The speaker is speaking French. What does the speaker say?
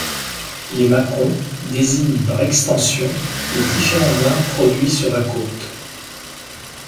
Les mâcons désignent par extension les différents vins produits sur la Côte.